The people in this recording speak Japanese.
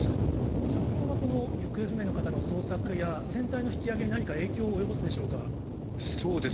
この状況は、行方不明の方の捜索や船体の引き揚げに何か影響を及ぼすでしょうか。